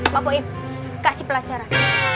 pak boim kasih pelajaran